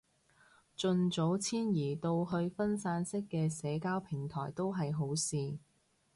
盡早遷移到去分散式嘅社交平台都係好事